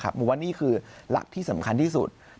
ผมว่านี่คือหลักที่สำคัญที่สุด